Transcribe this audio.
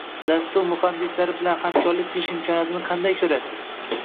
Dastur muhandislari bilan hamkorlik qilish imkoniyatini qanday koʻrasiz?